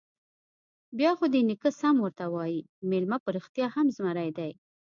_بيا خو دې نيکه سم ورته وايي، مېلمه په رښتيا هم زمری دی.